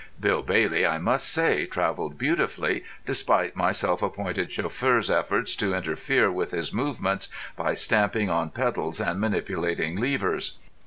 Bill Bailey I must say travelled beautifully, despite my self appointed chauffeur's efforts to interfere with his movements by stamping on pedals and manipulating levers.